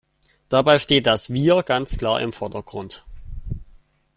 Dabei steht das Wir ganz klar im Vordergrund.